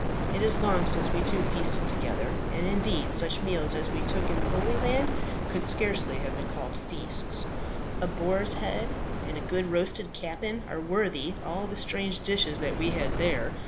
It is long since we two feasted together; and, indeed, such meals as we took in the Holy Land could scarcely have been called feasts. A boar's head and a good roasted capon are worthy all the strange dishes that we had there.